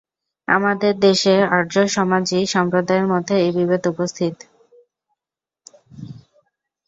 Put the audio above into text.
আমাদের দেশে আর্যসমাজী সম্প্রদায়ের মধ্যে এই বিবাদ উপস্থিত।